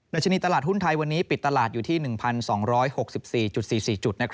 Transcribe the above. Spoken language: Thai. ชนีตลาดหุ้นไทยวันนี้ปิดตลาดอยู่ที่๑๒๖๔๔จุด